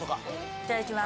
いただきます。